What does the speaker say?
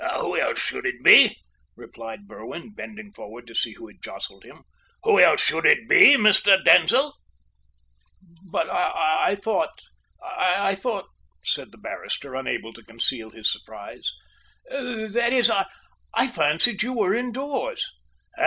"Who else should it be?" replied Berwin, bending forward to see who had jostled him. "Who else should it be, Mr. Denzil?" "But I thought I thought," said the barrister, unable to conceal his surprise, "that is, I fancied you were indoors."